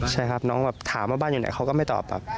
ใช่ครับน้องแบบถามว่าบ้านอยู่ไหนเขาก็ไม่ตอบครับ